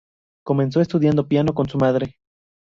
Comenzó estudiando piano con su madre.